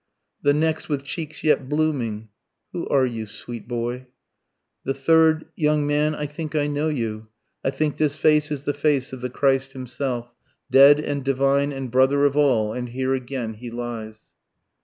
The next with cheeks yet blooming Who are you, sweet boy? The third Young man, I think I know you. I think this face is the face of the Christ Himself, Dead and divine and brother of all, and here again he lies.